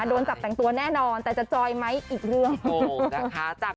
โดนจับแต่งตัวแน่นอนแต่จะจอยไหมอีกเรื่อง